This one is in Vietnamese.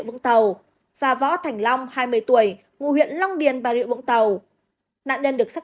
vũng tàu và võ thành long hai mươi tuổi ngụ huyện long điền bà rịa vũng tàu nạn nhân được xác